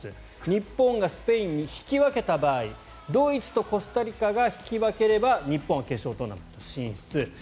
日本がスペインに引き分けた場合ドイツとコスタリカが引き分ければ日本は決勝トーナメント進出。